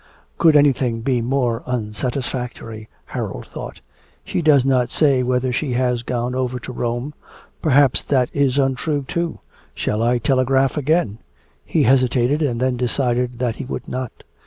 'Could anything be more unsatisfactory,' Harold thought. 'She does not say whether she has gone over to Rome. Perhaps that is untrue too. Shall I telegraph again?' He hesitated and then decided that he would not.